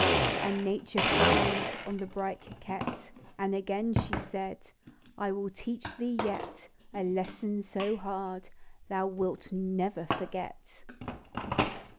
And Nature frown'd On the bright coquette, And again she said —" I will teach thee yet, A lesson so hard Thou wilt never forget